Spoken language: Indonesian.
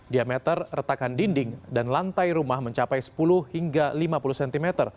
diameter retakan dinding dan lantai rumah mencapai sepuluh hingga lima puluh cm